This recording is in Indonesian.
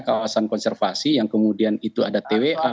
kawasan konservasi yang kemudian itu ada twa